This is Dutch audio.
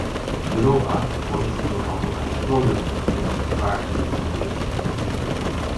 Europa wordt dus onderhand op eigen bodem met dat gevaar geconfronteerd.